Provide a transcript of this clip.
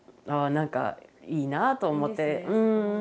何かいいなあと思って。